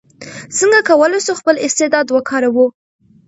څنګه کولای سو خپل استعداد وکاروو؟